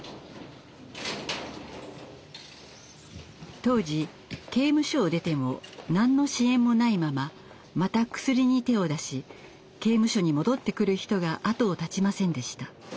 当時刑務所を出ても何の支援もないまままたクスリに手を出し刑務所に戻ってくる人が後を絶ちませんでした。